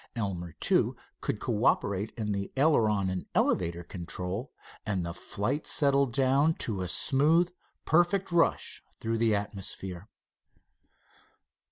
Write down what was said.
Elmer, too, could cooperate in the aileron and elevator control, and the flight settled down to a smooth, perfect rush through the atmosphere.